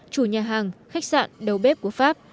chủ nhà hàng khách sạn đầu bếp của pháp